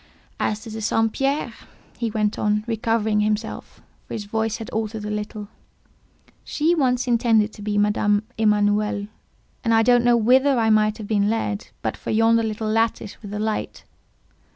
"As to the St. Pierre," he went on, recovering himself, for his voice had altered a little, "she once intended to be Madame Emanuel; and I don't know whither I might have been led, but for yonder little lattice with the light.